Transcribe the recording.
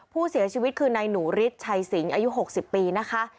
ผู้เสียชีวิตคือนายหนูฤทธิชัยสิงอายุ๖๐ปีนะคะ